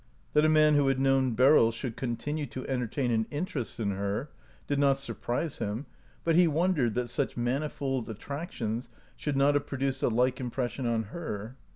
That a man who had known Beryl should continue to entertain an inter est in her did not surprise him, but he won dered that such manifold attractions should not have produced a like impression on her.